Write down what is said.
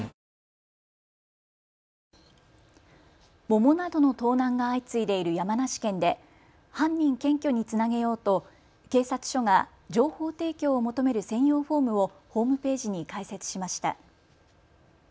桃などの盗難が相次いでいる山梨県で犯人検挙につなげようと警察署が情報提供を求める専用フォームをホームページに開設しました。